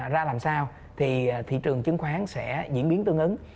ra làm sao thì thị trường chứng khoán sẽ diễn biến tương ứng